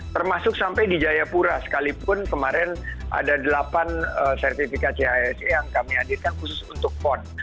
termasuk sampai di jayapura sekalipun kemarin ada delapan sertifikat chse yang kami hadirkan khusus untuk pon